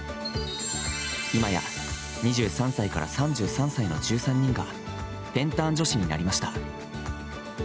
今や２３歳から３３歳の１３人がペンターン女子になりました。